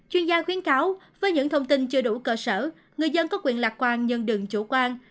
chuyên gia khuyến cáo với những thông tin chưa đủ cơ sở người dân có quyền lạc quan nhân đừng chủ quan